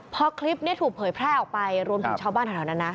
พอคลิปนี้ถูกเผยแพร่ออกไปรวมถึงชาวบ้านแถวนั้นนะ